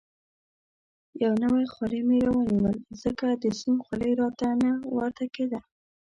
یو نوی خولۍ مې رانیول، ځکه د سیم خولۍ راته نه ورته کېده.